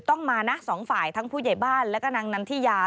ต้องมานะสองฝ่ายทั้งผู้ใหญ่บ้านแล้วก็นางนันทิยา